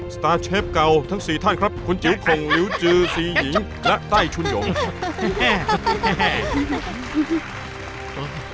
สตาร์เชฟเก่าทั้งสี่ท่านครับคุณจิ๋วขงลิวจือสี่หญิงและไต้ชุนหยง